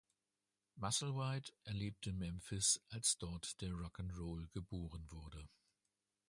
Musselwhite erlebte Memphis, als dort der Rock ’n’ Roll geboren wurde.